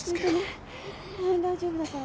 大丈夫だ。